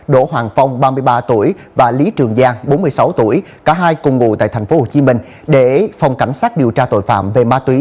đỗ hoàng phong ba mươi ba tuổi và lý trường giang bốn mươi sáu tuổi cả hai cùng ngụ tại tp hcm để phòng cảnh sát điều tra tội phạm về ma túy